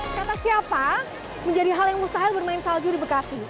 kata siapa menjadi hal yang mustahil bermain salju di bekasi